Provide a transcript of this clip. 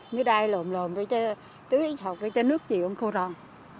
như đây lồm lồm tưới thọc tưới nước thì cũng khô ròn